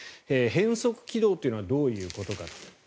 変則軌道というのはどういうことか。